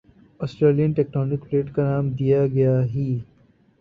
Australian tectonic plate کا نام دیا گیا ہی